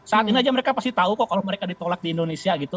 saat ini aja mereka pasti tahu kok kalau mereka ditolak di indonesia gitu